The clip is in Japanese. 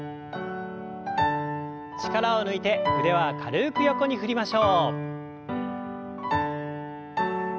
力を抜いて腕は軽く横に振りましょう。